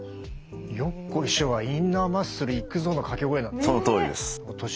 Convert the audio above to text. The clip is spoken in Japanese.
「よっこいしょ」は「インナーマッスルいくぞ」の掛け声なんですね。